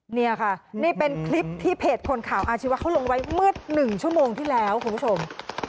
นี่ค่ะนี่เป็นคลิปที่เพจคนข่าวอาชีวะเขาลงไว้เมื่อ๑ชั่วโมงที่แล้วคุณผู้ชม